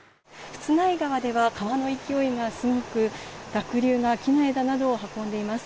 富津内川では川の勢いがすごく濁流が木の枝などを運んでいます。